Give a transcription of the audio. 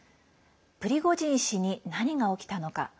プリゴジン氏に何が起きたのか。